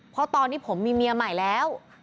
เพราะตอนนี้ผมมีเมียใหม่แล้ว